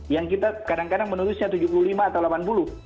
yang kita kadang kadang menulisnya tujuh puluh lima atau delapan puluh